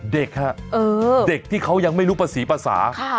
เด็กฮะเด็กที่เขายังไม่รู้ภาษีภาษา